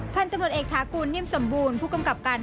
พันธุ์ตำรวจเอกฐากูลนิ่มสมบูรณ์ผู้กำกับการ